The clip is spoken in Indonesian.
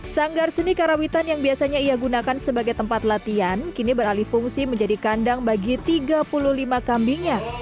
sanggar seni karawitan yang biasanya ia gunakan sebagai tempat latihan kini beralih fungsi menjadi kandang bagi tiga puluh lima kambingnya